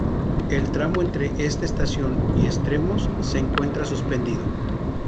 El tramo entre esta estación y Estremoz se encuentra suspendido.